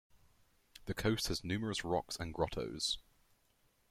The coast has numerous rocks and grottoes.